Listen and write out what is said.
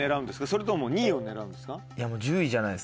それとも２位を狙うんですか？という戦法？